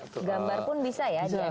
gambar pun bisa ya di analisa ya